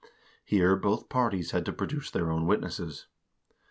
Here both parties had to produce their own witnesses.